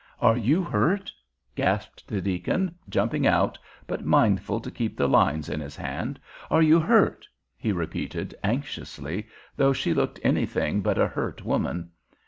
Are you hurt?" gasped the deacon, jumping out, but mindful to keep the lines in his hand. "Are you hurt?" he repeated, anxiously, though she looked anything but a hurt woman.